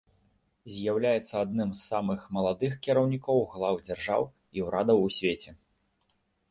З'яўляецца адным з самых маладых кіраўнікоў глаў дзяржаў і ўрадаў у свеце.